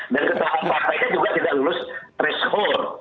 ketua umum partainya juga tidak lulus threshold